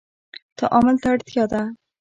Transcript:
تعامل ته اړتیا ده